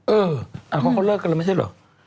เออเขาเลิกกันแล้วไม่ใช่เหรอ